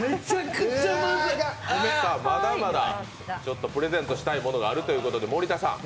さあ、まだまだプレゼントしたいものがあるということで、森田さん。